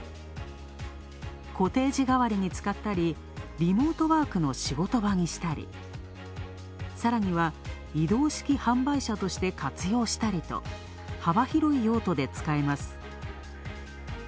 コテージ代わりに使ったり、リモートワークの仕事場にしたり、さらには移動式販売車として活用したりと、幅広い用途で使えます。